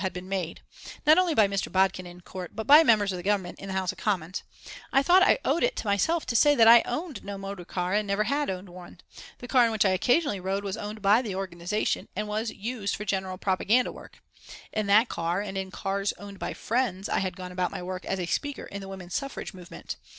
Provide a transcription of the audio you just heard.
P. U. had been made, not only by Mr. Bodkin in court, but by members of the Government in the House of Commons I thought I owed it to myself to say that I owned no motor car and never had owned one. The car in which I occasionally rode was owned by the organisation and was used for general propaganda work. In that car, and in cars owned by friends I had gone about my work as a speaker in the Woman Suffrage movement.